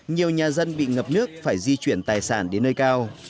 nhiều nhà dân bị ngập nước phải di chuyển tài sản đến nơi cao